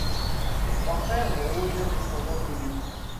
Les trois frères n'ont aucun descendant connu.